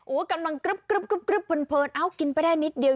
กำลังกรึ๊บเพลินเอ้ากินไปได้นิดเดียว